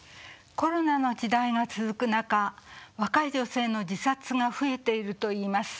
コロナの時代が続く中若い女性の自殺が増えているといいます。